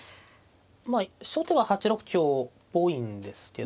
まあ初手は８六香多いんですけど。